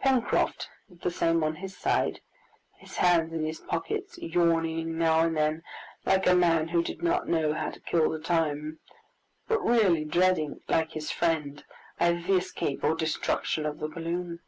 Pencroft did the same on his side, his hands in his pockets, yawning now and then like a man who did not know how to kill the time, but really dreading, like his friend, either the escape or destruction of the balloon.